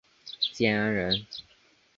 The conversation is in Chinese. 建安人。